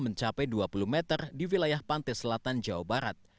mencapai dua puluh meter di wilayah pantai selatan jawa barat